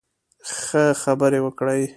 ښه، خبرې وکړئ